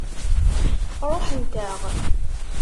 Ṛuḥent-aɣ.